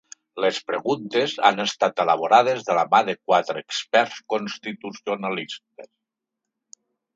Les preguntes han estat elaborades de la mà de quatre experts constitucionalistes.